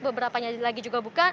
beberapanya lagi juga buka